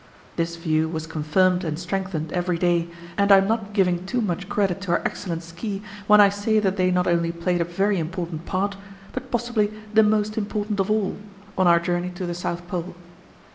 This view was confirmed and strengthened every day, and I am not giving too much credit to our excellent ski when I say that they not only played a very important part, but possibly the most important of all, on our journey to the South Pole.